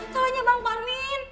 salahnya bang parmin